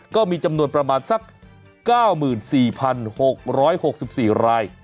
ก็มีจำนวนประมาณสัก๙๔๖๖๔ราย